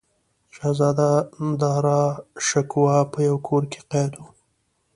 شهزاده داراشکوه په یوه کور کې قید و.